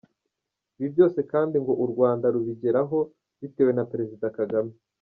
Ibi byose kandi ngo u Rwanda rubigeraho bitewe na Perezida Kagame.